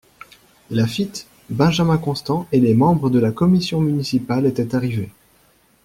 Laffite, Benjamin Constant et les membres de la Commission municipale étaient arrivés.